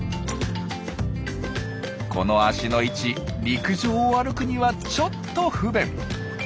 この足の位置陸上を歩くにはちょっと不便。